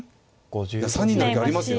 いや３二成香ありますよ。